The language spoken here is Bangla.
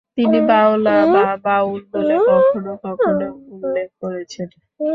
তিনি 'বাউলা' বা 'বাউল' বলে কখনো কখনো উল্লেখ করেছেন।